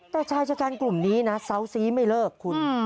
แต่ชายชะกันกลุ่มนี้นะเซาซีไม่เลิกคุณ